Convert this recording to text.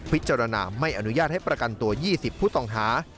พิจารณาไม่อนุญาตให้ประกันตัว๒๐ผู้ต้องหา